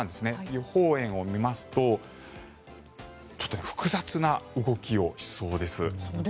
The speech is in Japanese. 予報円を見ますと、ちょっと複雑な動きをしそうです。